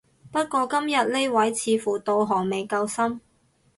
不過今日呢位似乎道行未夠深